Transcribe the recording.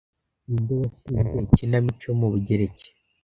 Ninde washinze ikinamico yo mu Bugereki